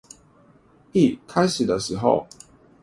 一開始的時候